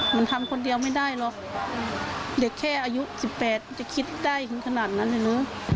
มันทำคนเดียวไม่ได้หรอกเด็กแค่อายุสิบแปดจะคิดได้ขนาดนั้นอย่างนู้น